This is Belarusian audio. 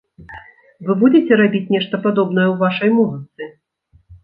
Вы будзеце рабіць нешта падобнае ў вашай музыцы?